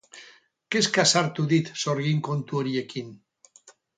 Kezka sartu dit sorgin kontu horiekin.